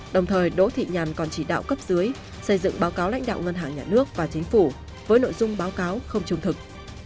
đồng thời đỗ thị nhàn còn chỉ đạo cấp dưới xây dựng báo cáo lãnh đạo ngân hàng nhà nước và chính phủ với nội dung báo cáo không trung thực